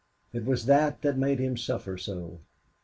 It was that that made him suffer so.